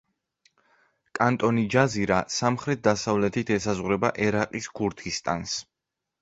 კანტონი ჯაზირა სამხრეთ-დასავლეთით ესაზღვრება ერაყის ქურთისტანს.